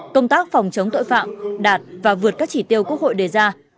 công tác phòng chống tội phạm đạt và vượt các chỉ tiêu quốc hội đề ra